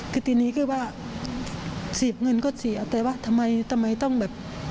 คือทีนี้คือว่าเสียบเงินก็เสียแต่ว่าทำไมทำไมต้องแบบ